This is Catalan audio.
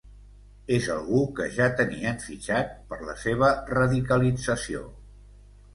És algú que ja tenien fitxat per la seva ‘radicalització’.